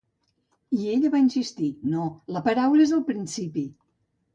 I ella va insistir, no, la paraula és al principi.